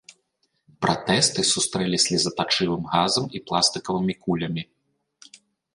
Пратжсты сустрэлі слёзатачывым газам і пластыкавымі кулямі.